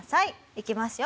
いきますよ。